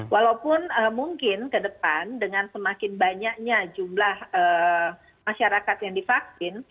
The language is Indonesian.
walaupun mungkin ke depan dengan semakin banyaknya jumlah masyarakat yang divaksin